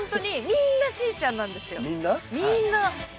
みんな。